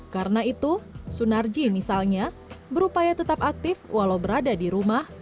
karena itu sunarji misalnya berupaya tetap aktif walau berada di rumah